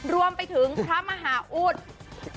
รวมไปถึงพระมหาอุทธิ์